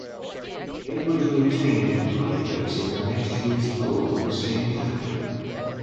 Edward maintained a high place in the next year's poll in the same category.